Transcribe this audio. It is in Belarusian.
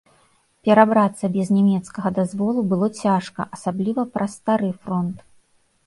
Перабрацца без нямецкага дазволу было цяжка, асабліва праз стары фронт.